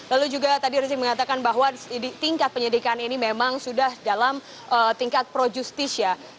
lalu juga tadi rizik mengatakan bahwa tingkat penyidikan ini memang sudah dalam tingkat pro justis ya